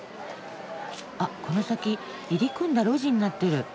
あっこの先入り組んだ路地になってる。